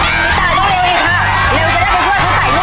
ตายต้องเร็วอีกค่ะเร็วจะได้มันช่วยถ้าใส่นู้น